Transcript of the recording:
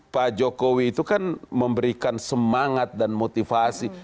pak jokowi itu kan memberikan semangat dan motivasi